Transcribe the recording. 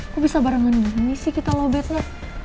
kok bisa barengan gini sih kita lobetnya